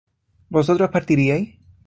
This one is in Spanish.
vosotros partiríais